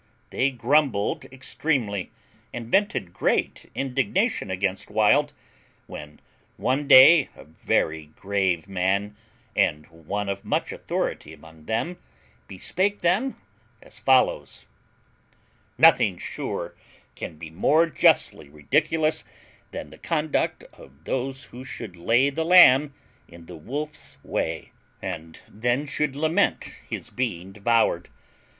They grumbled extremely, and vented great indignation against Wild; when one day a very grave man, and one of much authority among them, bespake them as follows: "Nothing sure can be more justly ridiculous than the conduct of those who should lay the lamb in the wolfs way, and then should lament his being devoured.